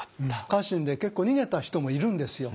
家臣で結構逃げた人もいるんですよ。